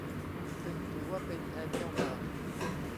ซึ่งถือว่าเป็นแทนเจ้าบ่าว